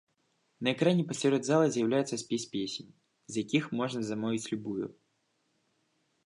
На экране пасярод залы з'яўляецца спіс песень, з якіх можна замовіць любую.